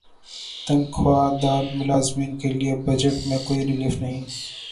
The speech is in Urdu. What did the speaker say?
تنخواہ دار ملازمین کے لیے بجٹ میں کوئی ریلیف نہیں